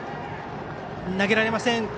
投げられません。